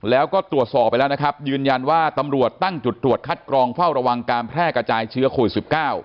แล้วก็ตรวจสอบไปแล้วนะครับยืนยันว่าตำรวจตั้งจุดตรวจคัดกรองเฝ้าระวังการแพร่กระจายเชื้อโควิด๑๙